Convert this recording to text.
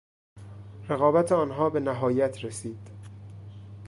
رقابت آنها به نهایت رسید.